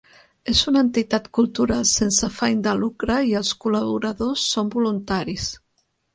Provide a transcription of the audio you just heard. És una entitat cultural sense afany de lucre i els col·laboradors són voluntaris.